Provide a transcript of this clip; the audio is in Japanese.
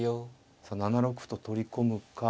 さあ７六歩と取り込むか。